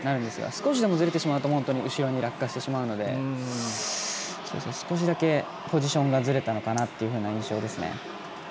少しでも、ずれてしまうと後ろに落下してしまうので少しだけポジションがずれたのかなという印象ですね。